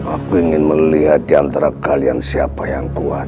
aku ingin melihat diantara kalian siapa yang kuat